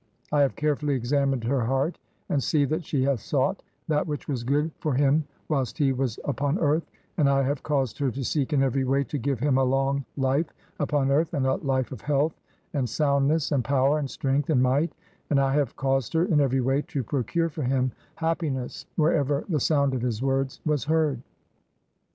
I have carefully examined her heart "and [see] that she hath sought that which was good "for him whilst he was upon earth ; and I have caus "ed her to seek in every way to give him a long "life upon earth, and a life of health, and soundness, "and power, and strength, and might ; and I have "caused her in every way to procure for him hap "piness wherever the sound of his words was heard.